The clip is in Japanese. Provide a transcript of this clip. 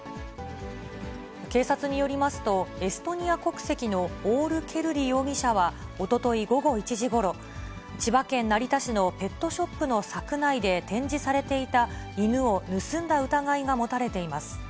警察によりますと、エストニア国籍のオール・ケルリ容疑者はおととい午後１時ごろ、千葉県成田市のペットショップの柵内で展示されていた犬を盗んだ疑いが持たれています。